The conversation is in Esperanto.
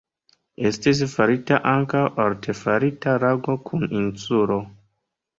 Estis farita ankaŭ artefarita lago kun insulo.